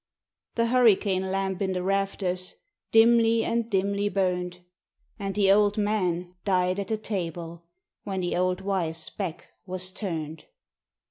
The hurricane lamp in the rafters dimly and dimly burned; And the old man died at the table when the old wife's back was turned.